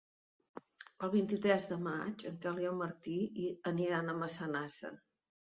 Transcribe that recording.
El vint-i-tres de maig en Quel i en Martí aniran a Massanassa.